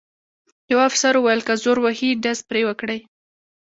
یوه افسر وویل: که زور وهي ډز پرې وکړئ.